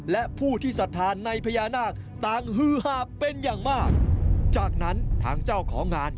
และผู้ที่สัทธาในพญานาคต่างฮือหาเป็นอย่างมากจากนั้นทางเจ้าของงาน